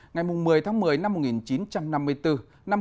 ngày một mươi tháng một mươi năm một nghìn chín trăm năm mươi bốn